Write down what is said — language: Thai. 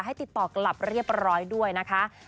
ติดต่อกลับเรียบร้อยด้วยนะคะ